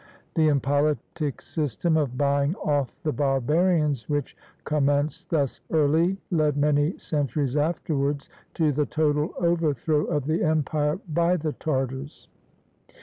The impolitic system of buying off the barbarians which commenced thus early led many centuries afterwards to the total overthrow of the empire by the Tartars.